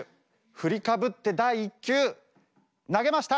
振りかぶって第１球！投げました！